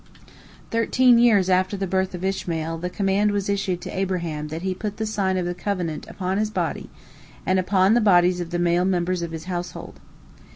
Thirteen years after the birth of Ishmael the command was issued to Abraham that he put the sign of the covenant upon his body and upon the bodies of the male members of his household.